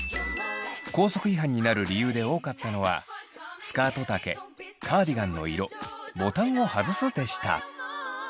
校則違反になる理由で多かったのはスカート丈カーディガンの色ボタンを外すでした。